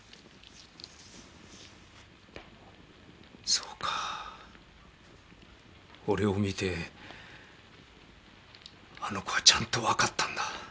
そうか俺を見てあの子はちゃんと分かったんだ。